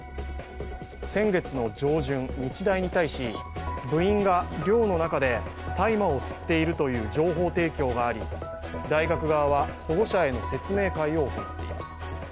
先月の上旬、日大に対し部員が寮の中で大麻を吸っているという情報提供があり大学側は、保護者への説明会を行っています。